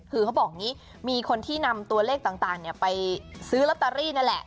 คือเขาบอกอย่างนี้มีคนที่นำตัวเลขต่างไปซื้อลอตเตอรี่นั่นแหละ